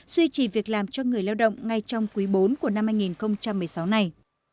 duy trì việc làm cho người lao động ngay trong quý bốn của năm hai nghìn một mươi sáu này